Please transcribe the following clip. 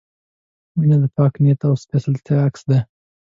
• مینه د پاک نیت او سپېڅلتیا عکس دی.